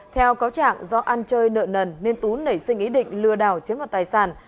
theo cáo trạng do ăn chơi nợ nần nên tú nảy sinh ý định lừa đảo chiếm đoạt tài sản